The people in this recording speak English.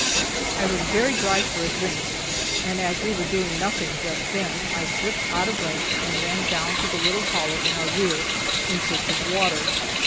I was very dry for a drink, and as we were doing nothing just then, I slipped out of ranks and ran down to the little hollow in our rear, in search of water.